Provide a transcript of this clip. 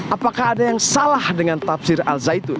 apakah ada yang salah dengan tafsir al zaitun